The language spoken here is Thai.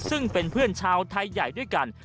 ซึ่งเป็นเพื่อนชาวไทยใหญ่ด้วยกัน